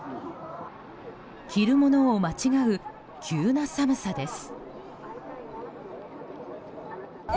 着るものを間違う急な寒さです。